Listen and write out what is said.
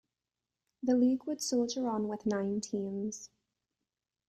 The league would soldier on with nine teams.